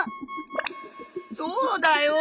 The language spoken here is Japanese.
そうだよ！